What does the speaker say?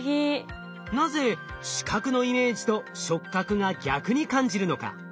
なぜ視覚のイメージと触覚が逆に感じるのか？